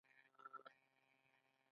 اشتراکي نومځري خپل دی.